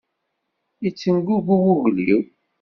Yettengugu wugel-iw.